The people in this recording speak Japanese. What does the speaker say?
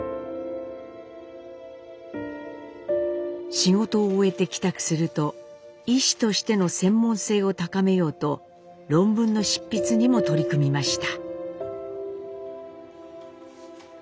仕事を終えて帰宅すると医師としての専門性を高めようと論文の執筆にも取り組みました。